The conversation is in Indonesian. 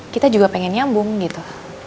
kita juga pengen nyambung gitu